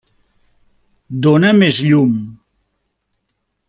Dóna més llum.